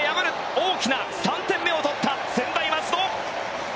大きな３点目を取った専大松戸。